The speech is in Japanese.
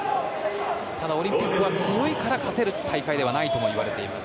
ただ、オリンピックは強いから勝てる大会ではないともいわれています。